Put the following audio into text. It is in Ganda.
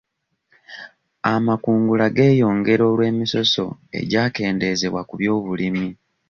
Amakungula geeyongera olw'emisoso egyakendeezebwa ku by'obulimi.